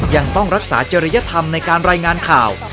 ยังต้องรักษาเจริยธรรมในการรายงานข่าว